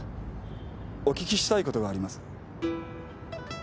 お聞きしたいことがあります。